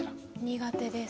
苦手です。